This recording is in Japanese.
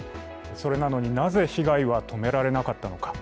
それなのになぜ被害は止められなかったのか。